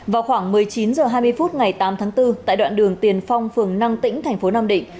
vào khoảng một mươi chín h hai mươi phút ngày tám tháng bốn tại đoạn đường tiền phong phường năng tĩnh thành phố nam định